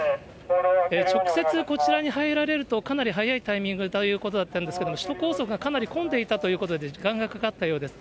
直接こちらに入られると、かなり早いタイミングだということだったんですが、首都高速がかなり混んでいたということで時間がかかったようです。